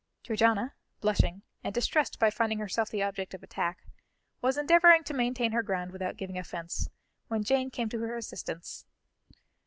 Georgiana, blushing, and distressed by finding herself the object of attack, was endeavouring to maintain her ground without giving offence, when Jane came to her assistance.